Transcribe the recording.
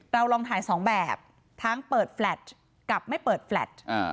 เราลองถ่ายสองแบบทั้งเปิดแฟลชกับไม่เปิดแฟลต์